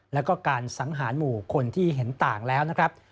แล้วก็การสังหารหมู่คนที่เห็นต่างแล้วนะครับ